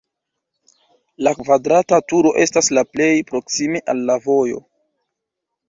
La kvadrata turo estas la plej proksime al la vojo.